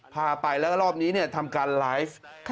พาไปแล้วก็รอบนี้ทำการไลฟ์